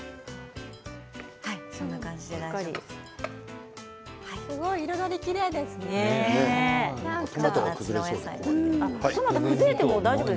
そんな感じで大丈夫。